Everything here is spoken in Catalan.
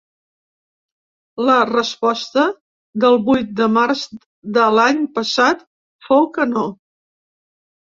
La resposta, del vuit de març de l’any passat, fou que no.